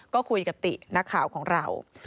ก็คุยกับตินักข่าวของเรา